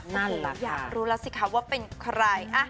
อยากรู้แล้วสิคะว่าเป็นใคร